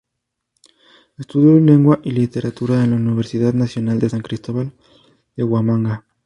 Estudió Lengua y Literatura en la Universidad Nacional de San Cristóbal de Huamanga.